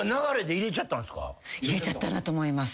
入れちゃったんだと思います。